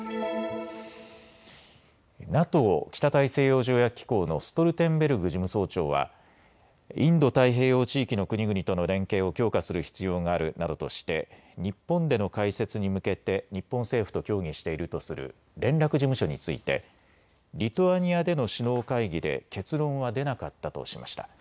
ＮＡＴＯ・北大西洋条約機構のストルテンベルグ事務総長はインド太平洋地域の国々との連携を強化する必要があるなどとして日本での開設に向けて日本政府と協議しているとする連絡事務所についてリトアニアでの首脳会議で結論は出なかったとしました。